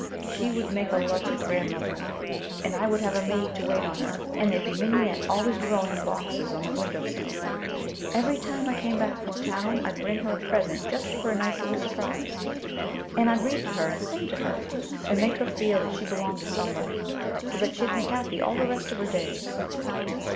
She would make a lovely grandmother. And I would have a maid to wait on her, and there'd be mignonette always growing in boxes on the window sill. Every time I came back from town, I'd bring her a present just for a nice little surprise; and I'd read to her, and sing to her, and make her feel that she belonged to somebody, so that she'd be happy all the rest of her days.